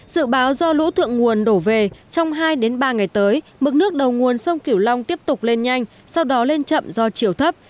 dự báo do lũ thượng nguồn đổ về trong hai ba ngày tới mực nước đầu nguồn sông kiểu long tiếp tục lên nhanh sau đó lên chậm do chiều thấp